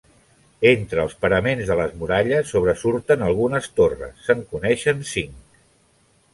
Entre els paraments de les muralles sobresurten algunes torres, se'n coneixen cinc.